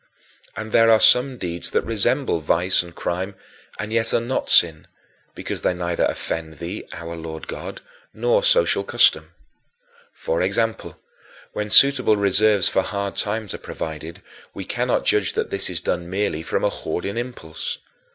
And there are some deeds that resemble vice and crime and yet are not sin because they offend neither thee, our Lord God, nor social custom. For example, when suitable reserves for hard times are provided, we cannot judge that this is done merely from a hoarding impulse.